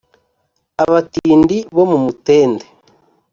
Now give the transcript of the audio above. abatindi bo mu mutende